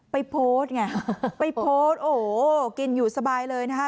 ไปโพสต์ไงไปโพสต์โอ้โหกินอยู่สบายเลยนะคะ